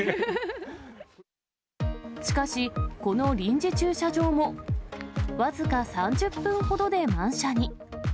しかし、この臨時駐車場も僅か３０分ほどで満車に。